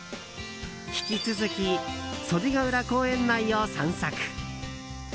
引き続き袖ケ浦公園内を散策。